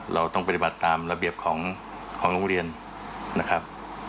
เราต้องปฏิบัติตามระเบียบของโรงเรียนนะครับ